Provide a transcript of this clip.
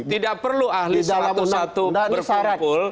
tidak perlu ahli satu satu berkumpul